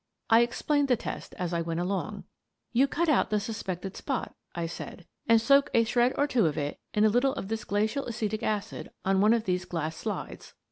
I explained the test as I went along. " You cut out the suspected spot," I said, " and soak a shred or two of it in a little of this glacial acetic acid on one of these glass slides.